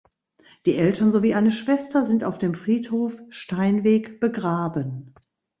Die Eltern sowie eine Schwester sind auf dem Friedhof Steinweg begraben.